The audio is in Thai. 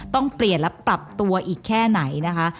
ต้องเปลี่ยนและปรับตัวอีกแค่ไหนนะคะ